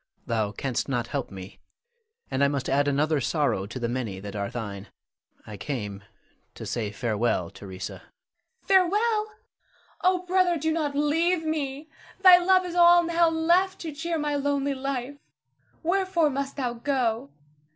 Thou canst not help me; and I must add another sorrow to the many that are thine. I came to say farewell, Theresa. Theresa. Farewell! Oh, brother, do not leave me! Thy love is all now left to cheer my lonely life. Wherefore must thou go?